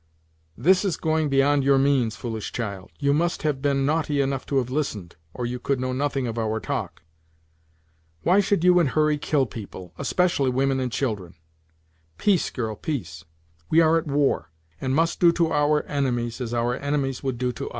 "This is going beyond your means, foolish child; you must have been naughty enough to have listened, or you could know nothing of our talk." "Why should you and Hurry kill people especially women and children?" "Peace, girl, peace; we are at war, and must do to our enemies as our enemies would do to us."